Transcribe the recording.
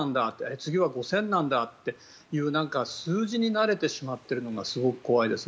次は５０００なんだっていう数字に慣れてしまっているのがすごく怖いですね。